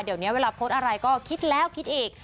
เดี๋ยวนี้เวลาโพสต์อะไรก็คิดแล้วคิดอีก